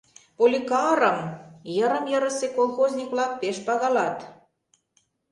Поликарым йырым-йырысе колхозник-влак пеш пагалат.